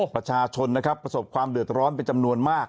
ประชาชนนะครับประสบความเดือดร้อนเป็นจำนวนมาก